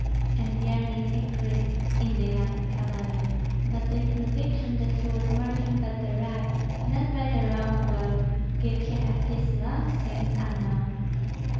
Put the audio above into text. And yearning increased in the young cavalier; but the conviction that he was marching by the right, not by the wrong road, gave him a peace long since unknown.